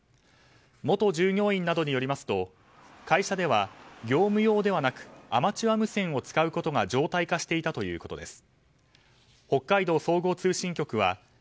元従業員などによりますと会社では業務用ではなくアマチュア無線を使うことが常態化していたということです。